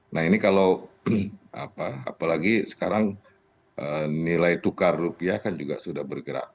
nah ini kalau apalagi sekarang nilai tukar rupiah kan juga sudah bergerak